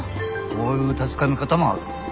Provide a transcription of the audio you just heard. こういう確かめ方もある。